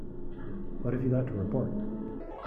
What have you got to report?